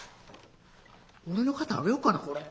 俺の傘あげようかな？これ」。